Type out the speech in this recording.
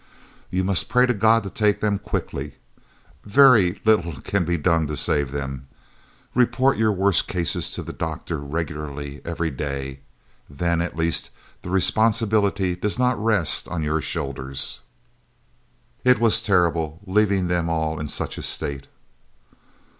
"You must pray to God to take them quickly. Very little can be done to save them. Report your worst cases to the doctor regularly every day; then, at least, the responsibility does not rest on your shoulders." It was terrible, leaving them all in such a state.